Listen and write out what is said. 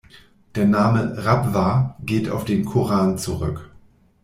Der Name "Rabwah" geht auf den Koran zurück.